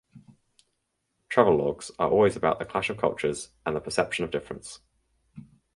Travelogues are always about the clash of cultures and the perception of difference.